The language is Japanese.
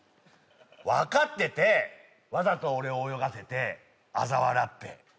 分かっててわざと俺を泳がせてあざ笑って。